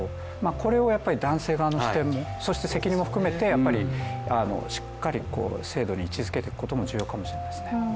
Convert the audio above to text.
これを男性側の視点も、責任も含めてしっかり制度に位置づけていくことも重要かもしれないですね。